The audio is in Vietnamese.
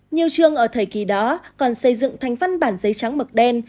nhiều trường ở thời kỳ đó còn xây dựng thành văn bản giấy trắng mực đen